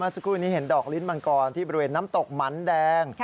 สักครู่นี้เห็นดอกลิ้นมังกรที่บริเวณน้ำตกหมันแดง